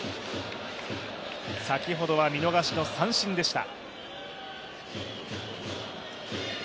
先ほどは見逃しの三振でした。